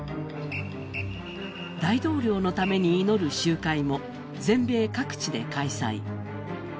大統領のために祈る集会も全米各地で開催。